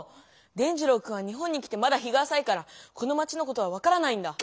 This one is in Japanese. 伝じろうくんは日本に来てまだ日があさいからこのまちのことは分からないんだ。